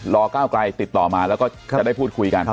ก้าวไกลติดต่อมาแล้วก็จะได้พูดคุยกัน